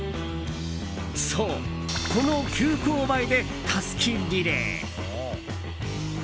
そう、この急勾配でたすきリレー。